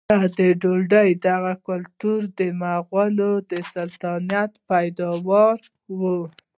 د ډوډۍ دغه کلتور د مغولو د سلطنت پیداوار و.